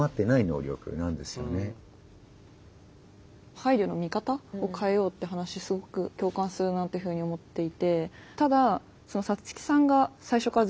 配慮の見方を変えようって話すごく共感するなというふうに思っていて。